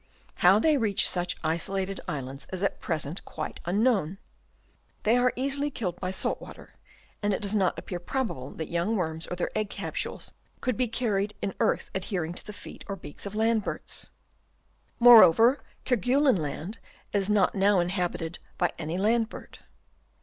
How they reach such isolated islands is at present quite unknown. They are easily killed by salt water, and it does not appear probable that young worms or their egg capsules could be carried in earth adhering to the feet or beaks of land birds. Moreover Kerguelen Land is not now inhabited by any land bird.